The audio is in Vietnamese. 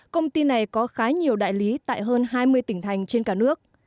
công ty này có khá nhiều đại lý tại hơn hai mươi tỉnh thành trên cả nước